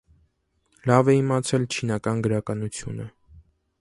Լավ է իմացել չինական գրականությունը։